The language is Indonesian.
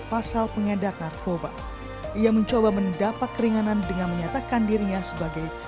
pasal pengedar narkoba ia mencoba mendapat keringanan dengan menyatakan dirinya sebagai